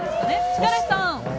力石さん